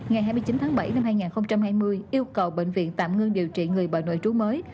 ngày hai mươi chín tháng bảy năm hai nghìn hai mươi yêu cầu bệnh viện tạm ngưng điều trị người bệnh nội trú mới